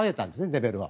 レベルを。